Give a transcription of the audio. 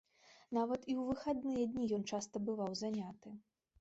Нават і ў выхадныя дні ён часта бываў заняты.